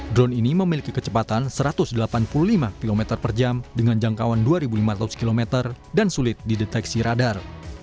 drone ini memiliki kecepatan satu ratus delapan puluh lima km per jam dengan jangkauan dua lima ratus km dan sulit dideteksi radar